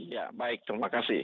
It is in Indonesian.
ya baik terima kasih